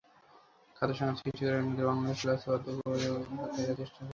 খাদ্যসংকট সৃষ্টি করে রোহিঙ্গাদের বাংলাদেশে চলে আসতে বাধ্য করতে এটা করা হচ্ছে।